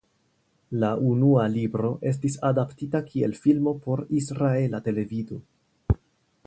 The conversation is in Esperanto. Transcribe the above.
La unua libro estis adaptita kiel filmo por israela televido.